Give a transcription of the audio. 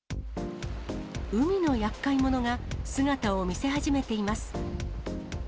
海のやっかい者が姿を見せ始めています。